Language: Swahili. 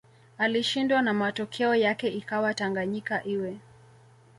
alishindwa na matokeo yake ikawa Tanganyika iwe